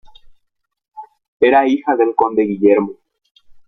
Era hija del conde Guillermo.